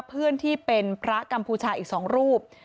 เพื่อนที่เป็นพระกัมพูชาอีก๒รูป